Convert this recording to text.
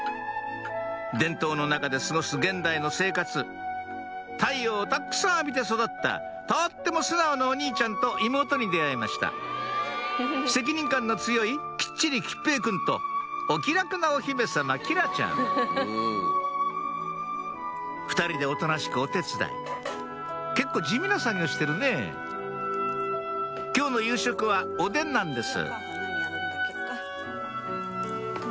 伝統の中で過ごす現代の生活太陽をたっくさん浴びて育ったとっても素直なお兄ちゃんと妹に出会いました責任感の強いきっちり桔平くんとお気楽なお姫様姫楽ちゃん２人でおとなしくお手伝い結構地味な作業してるねぇ今日の夕食はおでんなんです